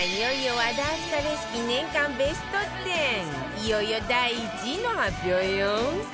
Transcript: いよいよ第１位の発表よ